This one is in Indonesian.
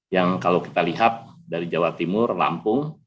yang kalau kita lihat dari jawa timur lampung